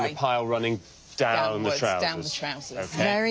はい。